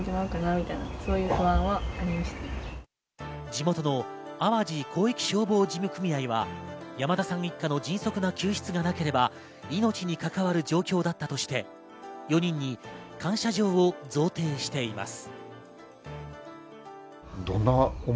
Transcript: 地元の淡路広域消防事務組合は山田さん一家の迅速な救出がなければ命に関わる状況だったとして、４人に感謝状を贈呈しています。